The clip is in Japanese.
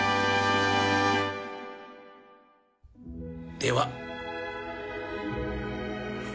では